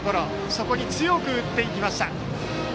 そこに強く打っていきました。